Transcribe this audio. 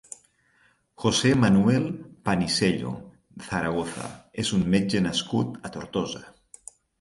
José Manuel Panisello Zaragoza és un metge nascut a Tortosa.